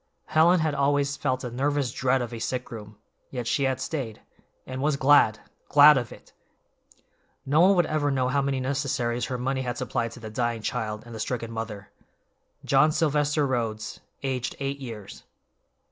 Helen had always felt a nervous dread of a sick room, yet she had stayed, and was glad—glad of it! No one would ever know how many necessaries her money had supplied to the dying child and the stricken mother. "John Sylvester Rhodes, aged eight years."